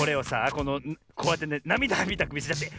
このこうやってねなみだみたくみせちゃって。